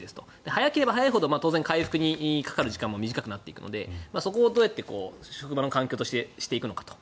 早ければ早いほど当然回復にかかる時間も短くなっていくのでそこをどうやって職場の環境としてしていくのかと。